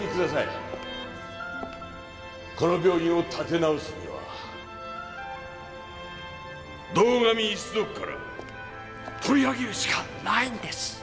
この病院を立て直すには堂上一族から取り上げるしかないんです。